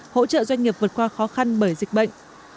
hỗ trợ doanh nghiệp vượt qua khó khăn bởi dịch bệnh